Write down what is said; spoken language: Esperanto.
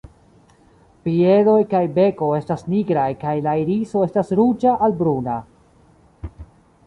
Piedoj kaj beko estas nigraj kaj la iriso estas ruĝa al bruna.